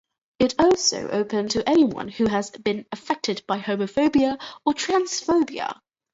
It is also open to anyone who has been affected by homophobia or transphobia.